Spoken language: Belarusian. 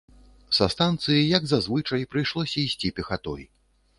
Са станцыі, як за звычай, прыйшлося ісці пехатой.